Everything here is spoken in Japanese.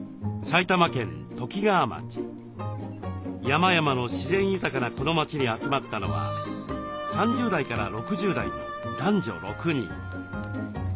山々の自然豊かなこの町に集まったのは３０代から６０代の男女６人。